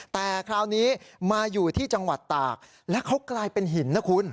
แต่คราวนี้มาอยู่ที่จังหวัดตากแล้วเขากลายเป็นหินนะคุณ